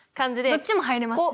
どっちも入れます。